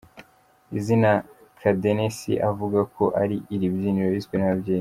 Izina Kadenesi, avuga ko ari iribyiniriro yiswe n’ababyeyi.